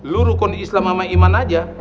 lu rukun islam sama iman aja